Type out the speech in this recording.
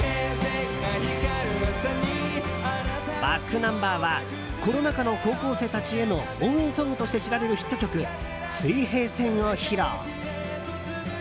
ｂａｃｋｎｕｍｂｅｒはコロナ禍の高校生たちへの応援ソングとして知られるヒット曲「水平線」を披露。